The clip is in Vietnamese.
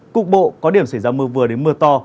cục bộ có điểm xảy ra mưa vừa đến mưa to